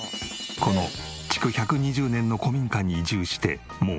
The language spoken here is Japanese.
この築１２０年の古民家に移住してもう６年。